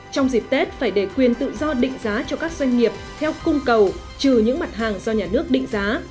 trong dịp tết phải để quyền tự do định giá cho các doanh nghiệp theo cung cầu trừ những mặt hàng do nhà nước định giá